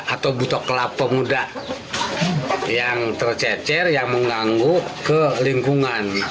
atau butok kelapa muda yang tercecer yang mengganggu ke lingkungan